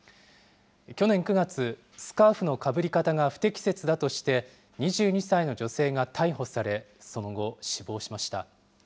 去年９月、スカーフのかぶり方が不適切だとして、２２歳の女性が逮捕され、その後、死亡しました。